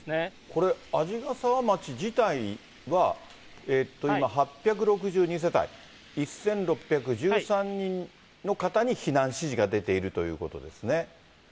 これ、鰺ヶ沢町自体には今、８６２世帯１６１３人の方に避難指示が出ているということですね。